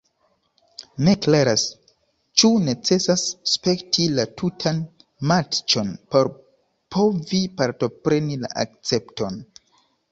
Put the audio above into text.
Ne klaras ĉu necesas spekti la tutan matĉon por povi partopreni la akcepton.